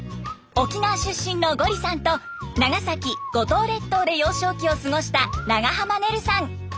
沖縄出身のゴリさんと長崎・五島列島で幼少期を過ごした長濱ねるさん。